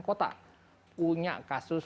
kota punya kasus